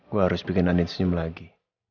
gua harus bikin andin senyum lagi